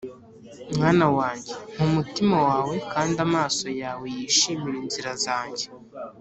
mwana wanjye, mpa umutima wawe, kandi amaso yawe yishimire inzira zanjye